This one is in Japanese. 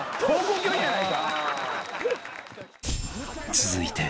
［続いて］